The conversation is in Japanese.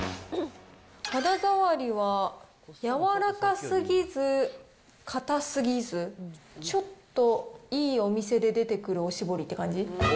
肌触りはやわらかすぎず、かたすぎず、ちょっといいお店で出てくるおしぼりって感じ。